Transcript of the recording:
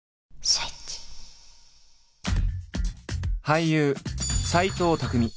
俳優・斎藤工